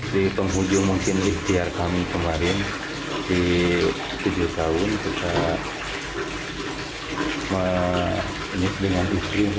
di penghujung mungkin ikhtiar kami kemarin di tujuh tahun kita dengan istri